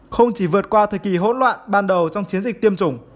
không chỉ vượt qua thời kỳ hỗn loạn ban đầu trong chiến dịch tiêm chủng